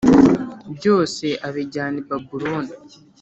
byose abijyana i Babuloni